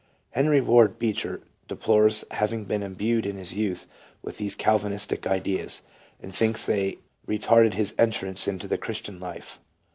Henry Ward Beecher deplores having been imbued in his youth with these Cal vinistic ideas, and thinks they retarded his entrance into the Christian life.